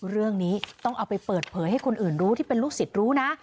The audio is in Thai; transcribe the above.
เรื่องนี้ต้องเอาไปเปิดเผยให้คนอื่นรู้ที่เป็นลูกศิษย์รู้นะ